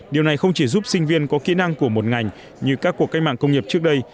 điều này không chỉ giúp sinh viên có kỹ năng của một ngành như các cuộc cách mạng công nghiệp trước đây